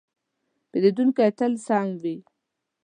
پیرودونکی تل سم وي.